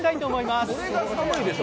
これが寒いでしょ、